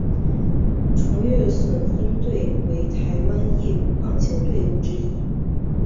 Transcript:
崇越隼鹰队为台湾业余棒球队伍之一。